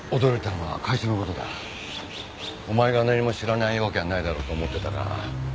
お前が何も知らないわけはないだろうと思ってたが。